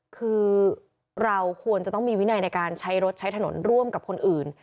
คือเราควรจะต้องมีวินัยในการใช้รถใช้ถนนร่วมกับคนอื่น